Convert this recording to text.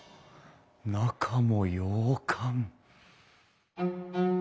中も洋館。